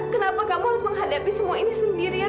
kenapa kamu harus menghadapi semua ini sendirian